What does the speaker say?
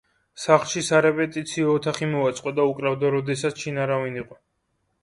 სახლში სარეპეტიციო ოთახი მოაწყო და უკრავდა, როდესაც შინ არავინ იყო.